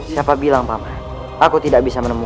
siapa bilang paman aku tidak bisa menemukanmu